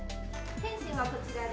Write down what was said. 点心はこちらです。